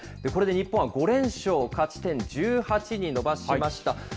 これで日本は５連勝、勝ち点１８に伸ばしました。